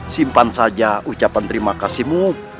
simpan saja ucapan terima kasihmu